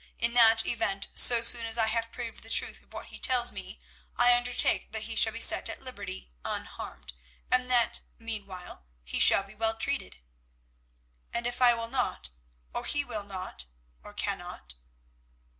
In that event, so soon as I have proved the truth of what he tells me, I undertake that he shall be set at liberty unharmed, and that, meanwhile, he shall be well treated." "And if I will not, or he will not, or cannot?"